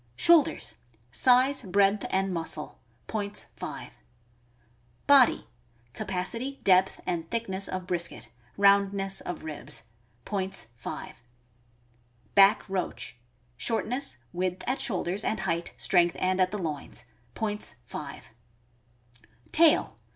Shoulders. — Size, breadth, and muscle. Points, 5. Body. — Capacity, depth, and thickness of brisket; round ness of ribs. Points, 5. Back roach. — Shortness, width at shoulders, and height, strength, and at the loins. Points, 5. Tail.